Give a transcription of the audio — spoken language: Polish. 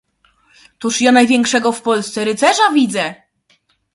"toż ja największego w Polsce rycerza widzę!"